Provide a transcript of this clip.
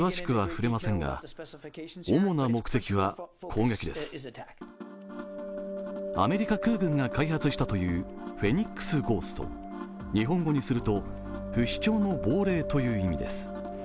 その中で注目されているのがアメリカ空軍が開発したというフェニックスゴースト日本語にすると不死鳥の亡霊という意味です。